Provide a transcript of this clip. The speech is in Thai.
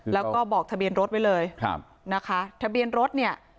แล้วก็บอกทะเบียนรถไว้เลยครับนะคะทะเบียนรถเนี่ย